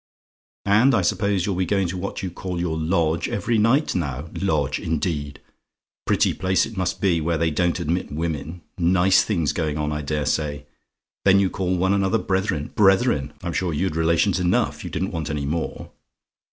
"And I suppose you'll be going to what you call your Lodge every night, now. Lodge, indeed! Pretty place it must be, where they don't admit women. Nice goings on, I dare say. Then you call one another brethren. Brethren! I'm sure you'd relations enough, you didn't want any more.